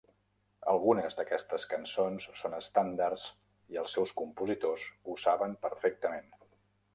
Algunes d'aquestes cançons són estàndards i els seus compositors ho saben perfectament.